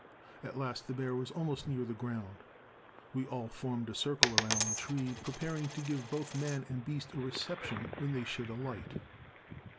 At last the bear was almost near the ground. We all formed a circle around the tree, prepared to give both man and beast a reception when they should alight.